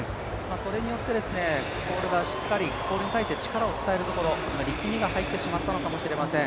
それによって、ポールに対して力を伝えるところ、力みが入ってしまったのかもしれません。